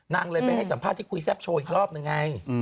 นางเลยไปให้สัมภาษณ์ที่คุยแซ่บโชว์อีกรอบนึงไง